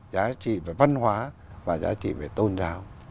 giá trị về văn hóa và giá trị về tôn giáo